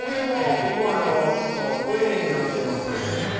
ここはトイレになってます。